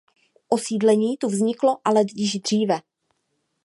Osídlení tu vzniklo ale již dříve.